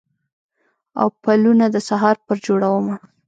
او پلونه د سهار پر جوړمه